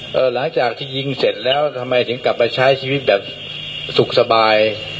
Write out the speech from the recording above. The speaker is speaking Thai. หลังจากที่ยิงเสร็จแล้วทำไมถึงกลับมาใช้ชีวิตแบบสุขสบาย